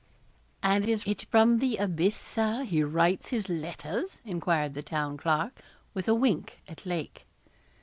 'And is it from the abyss, Sir, he writes his letters?' enquired the Town Clerk, with a wink at Lake.